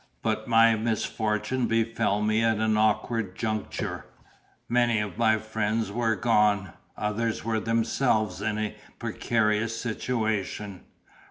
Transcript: But my misfortune befell me at an awkward juncture. Many of my friends were gone; others were themselves in a precarious situation.